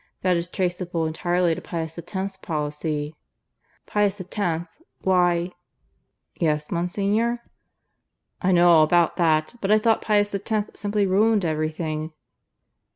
That is traceable entirely to Pius X's policy." "Pius X! Why " "Yes, Monsignor?" "I know all about that. But I thought Pius X simply ruined everything."